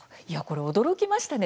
驚きましたね。